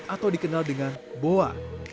atau dikenal dengan boa